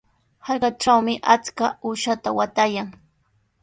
Hallqatrawmi achka uushaata waatayan.